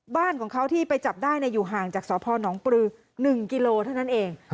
บ้านของเขาที่ไปจับได้อยู่ห่างจากสพนปรือ๑กิโลเท่านั้นเอง